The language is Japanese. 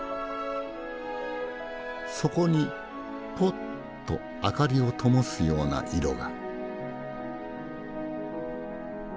そこにポッと明かりを灯すような色が。